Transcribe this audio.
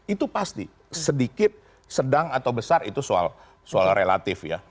itu pasti sedikit sedang atau besar itu soal relatif ya